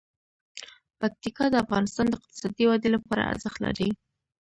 پکتیکا د افغانستان د اقتصادي ودې لپاره ارزښت لري.